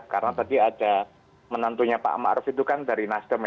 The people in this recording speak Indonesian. karena tadi ada menantunya pak amar arfi itu kan dari nasdem ya